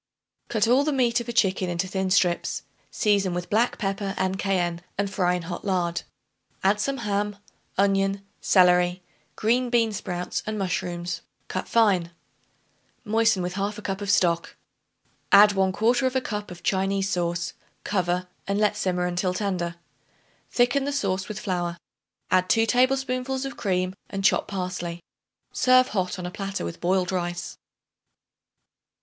Cut all the meat of a chicken into thin strips; season with black pepper, and cayenne, and fry in hot lard. Add some ham, onion, celery, green bean sprouts and mushrooms cut fine. Moisten with 1/2 cup of stock. Add 1/4 cup of Chinese sauce; cover and let simmer until tender. Thicken the sauce with flour; add 2 tablespoonfuls of cream and chopped parsley. Serve hot on a platter with boiled rice.